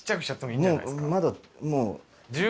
まだもう。